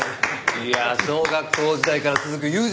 いや小学校時代から続く友情！